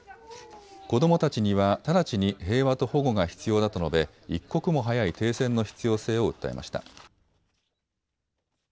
子どもたちには直ちに平和と保護が必要だと述べ一刻も早い停戦の必要性を訴えました。